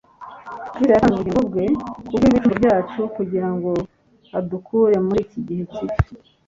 Kristo "yatanze ubugingo bwe kubw'ibicumuro byacu kugira ngo adukure muri iki gihe kibi,